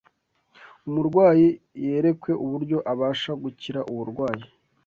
Umurwayi yerekwe uburyo abasha gukira uburwayi